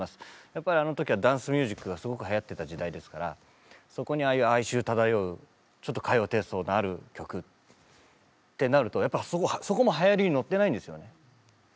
やっぱりあの時はダンスミュージックがすごくはやってた時代ですからそこにああいう哀愁漂うちょっと歌謡テーストのある曲ってなるとそこもはやりに乗ってないんですよね。